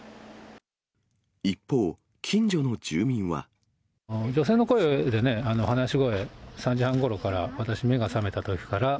一方、女性の声でね、話し声、３時半ごろから、私、目が覚めたときから。